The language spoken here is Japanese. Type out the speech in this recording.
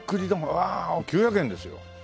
うわ９００円ですよ。